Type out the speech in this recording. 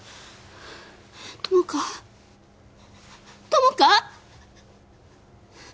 友果？友果！？